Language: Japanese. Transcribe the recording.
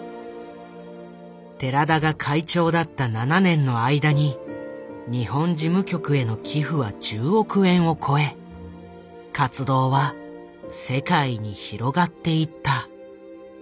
寺田が会長だった７年の間に日本事務局への寄付は１０億円を超え活動は世界に広がっていった。